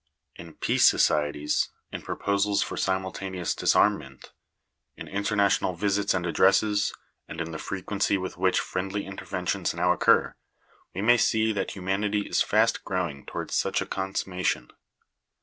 In peace so cieties, in proposals for simultaneous disarmment, in interna tional visits and addresses, and in the frequency with which friendly interventions now occur, we may see that humanity is fast growing towards such a consummation.